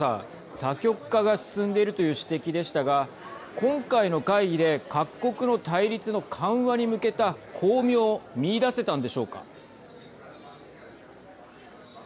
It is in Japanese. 多極化が進んでいるという指摘でしたが今回の会議で各国の対立の緩和に向けた光明、見いだせたんでしょうか。